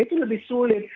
itu lebih sulit